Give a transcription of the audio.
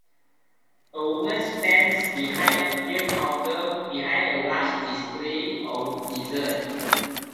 A woman stands behind a clear counter behind a large display of desserts.